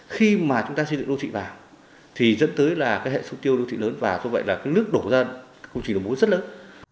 khi mà chúng ta xây dựng đô thị vào thì dẫn tới là cái hệ số tiêu đô thị lớn và do vậy là cái nước đổ ra công trình đổ mối rất lớn